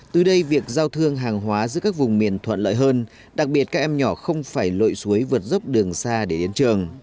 từ đây việc giao thương hàng hóa giữa các vùng miền thuận lợi hơn đặc biệt các em nhỏ không phải lội suối vượt dốc đường xa để đến trường